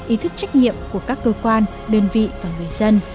ý thức trách nhiệm của các cơ quan đơn vị và người dân